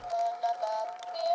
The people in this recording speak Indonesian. nih ini udah gampang